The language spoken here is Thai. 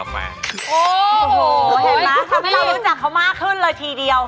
เห็นมั้ยทำตารู้จักเขามากขึ้นเลยทีเดียว